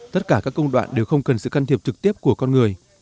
tất cả các công đoạn đều không cần sự can thiệp trực tiếp của con người